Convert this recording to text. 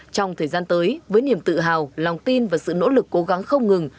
trong thời gian tới với niềm tự hào lòng tin và sự nỗ lực cố gắng không ngừng